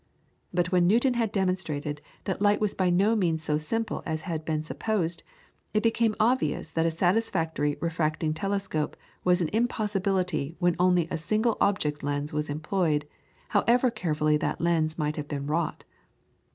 But when Newton had demonstrated that light was by no means so simple as had been supposed, it became obvious that a satisfactory refracting telescope was an impossibility when only a single object lens was employed, however carefully that lens might have been wrought.